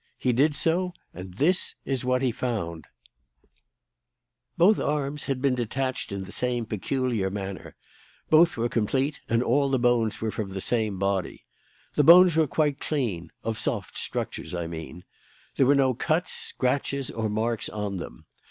He did so, and this is what he found: "Both arms had been detached in the same peculiar manner; both were complete, and all the bones were from the same body. The bones were quite clean of soft structures, I mean. There were no cuts, scratches, or marks on them.